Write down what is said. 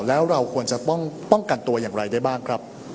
แล้วเราควรจะป้องกันตัวอย่างไรได้บ้างครับ